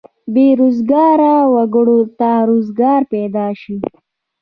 بې روزګاره وګړو ته روزګار پیدا شي.